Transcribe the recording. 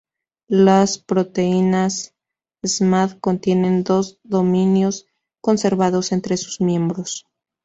Las proteínas Smad contienen dos dominios conservados entre sus miembros.